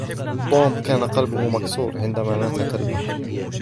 توم كان قلبه مكسور عندما مات كلبه